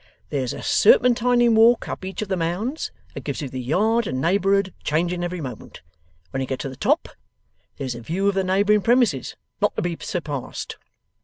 There's a serpentining walk up each of the mounds, that gives you the yard and neighbourhood changing every moment. When you get to the top, there's a view of the neighbouring premises, not to be surpassed.